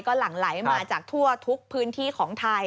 หลั่งไหลมาจากทั่วทุกพื้นที่ของไทย